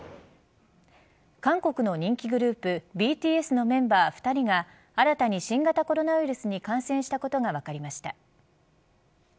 韓国の人気グループＢＴＳのメンバー２人が新たに新型コロナウイルスに感染したことが分かりました。